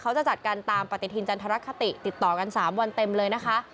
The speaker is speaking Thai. เขาจะจัดการตามปฏิทินจันทรคติติดต่อกัน๓วันเต็มเลยนะคะ